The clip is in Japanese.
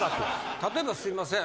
例えばすいません。